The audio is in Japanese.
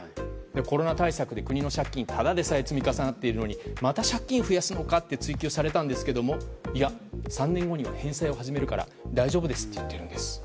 コロナ対策で国の借金がただでさえ積み重なっているのにまた借金増やすのかと追及されたんですがいや、３年後には返済を始めるから大丈夫ですと言っているんです。